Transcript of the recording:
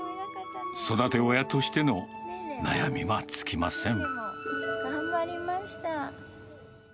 育て親としての悩みは尽きません。